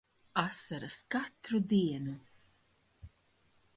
Asaras katru dienu.